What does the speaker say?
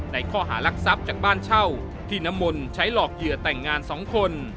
ในข้อหารักทรัพย์จากบ้านเช่าที่น้ำมนต์ใช้หลอกเหยื่อแต่งงาน๒คน